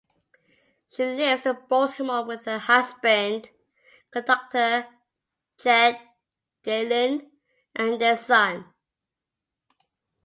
She lives in Baltimore with her husband, conductor Jed Gaylin, and their son.